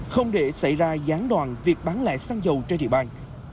không để xảy ra gián đoàn việc bán lệ xăng dầu trên địa bàn